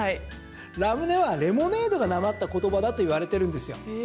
ラムネはレモネードがなまった言葉だといわれているんですよ。